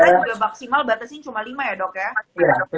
karena juga maksimal batasin cuma lima ya dok ya